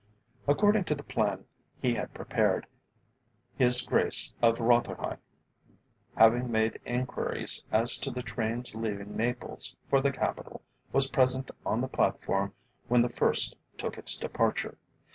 According to the plan he had prepared, His Grace of Rotherhithe, having made enquiries as to the trains leaving Naples for the capital, was present on the platform when the first took its departure.